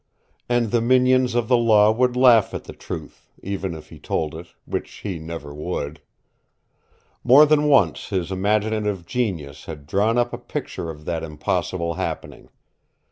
And the minions of the law would laugh at the truth, even if he told it which he never would. More than once his imaginative genius had drawn up a picture of that impossible happening.